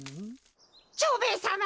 蝶兵衛さま